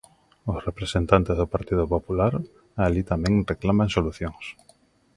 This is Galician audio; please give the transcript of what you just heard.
Os representantes do Partido Popular alí tamén reclaman solucións.